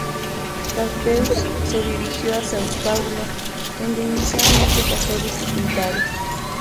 Carpeaux se dirigió a São Paulo donde inicialmente pasó dificultades.